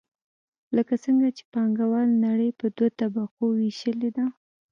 لکه څنګه چې پانګواله نړۍ په دوو طبقو ویشلې ده.